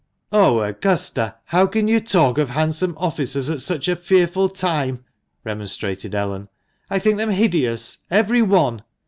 "Oh, Augusta, how can you talk of handsome officers at such a fearful time?" remonstrated Ellen. "I think them hideous, every one!"